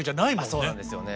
そうなんですよね。